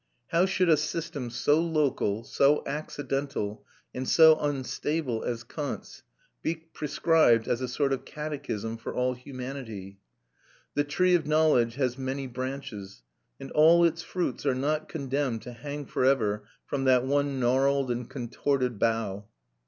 How should a system so local, so accidental, and so unstable as Kant's be prescribed as a sort of catechism for all humanity? The tree of knowledge has many branches, and all its fruits are not condemned to hang for ever from that one gnarled and contorted bough.